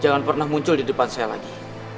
jangan pernah muncul di depan saya lagi